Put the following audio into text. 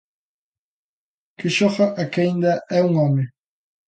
Que xoga a que aínda é un home.